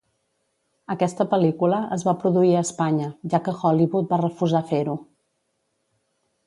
Aquesta pel·lícula es va produir a Espanya, ja que Hollywood va refusar fer-ho.